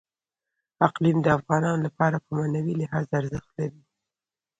اقلیم د افغانانو لپاره په معنوي لحاظ ارزښت لري.